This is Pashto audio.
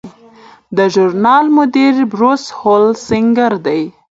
د ژورنال مدیر بروس هولسینګر دی.